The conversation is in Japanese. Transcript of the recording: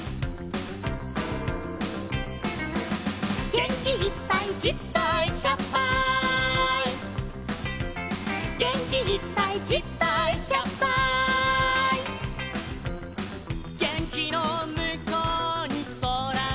「げんきいっぱいじっぱいひゃっぱい」「げんきいっぱいじっぱいひゃっぱい」「げんきのむこうにそらがある」